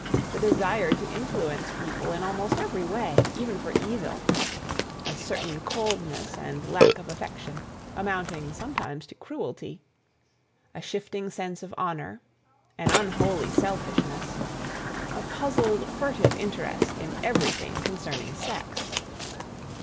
the desire to influence people in almost every way, even for evil... a certain coldness and lack of affection, amounting sometimes to cruelty... a shifting sense of honor... an unholy selfishness... a puzzled, furtive interest in everything concerning sex.